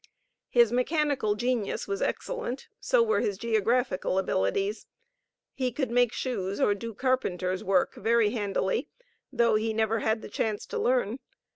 His mechanical genius was excellent, so were his geographical abilities. He could make shoes or do carpenter's work very handily, though he had never had the chance to learn.